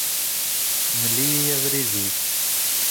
Mel-iyi abrid-ik.